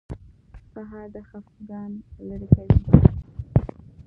سهار د خفګان لرې کوي.